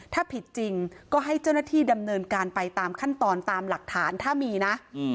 ถ้าผิดจริงก็ให้เจ้าหน้าที่ดำเนินการไปตามขั้นตอนตามหลักฐานถ้ามีนะ